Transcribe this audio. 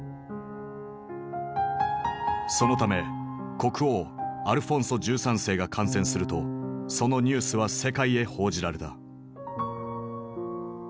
そのため国王アルフォンソ１３世が感染するとそのニュースは世界へ報じられた。